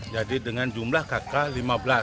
jadi dengan jumlah kakak lima belas